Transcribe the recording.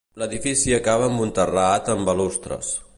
L'edifici acaba amb un terrat amb balustres.